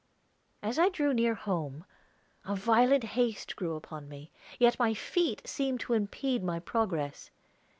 As I drew near home a violent haste grew upon me, yet my feet seemed to impede my progress.